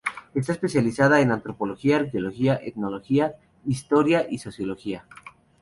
Está especializada en antropología, arqueología, etnología, historia y sociología.